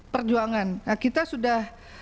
perjuangan kita sudah